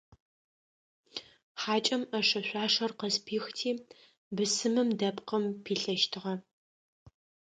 Хьакӏэм ӏэшэ-шъуашэр къызпихти, бысымым дэпкъым пилъэщтыгъэ.